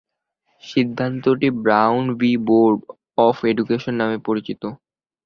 সিদ্ধান্তটি Brown v Board of Education নামে পরিচিত।